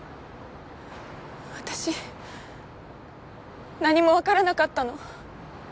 私何も分からなかったの。